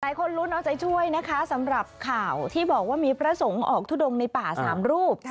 หลายคนลุ้นเอาใจช่วยนะคะสำหรับข่าวที่บอกว่ามีพระสงฆ์ออกทุดงในป่า๓รูป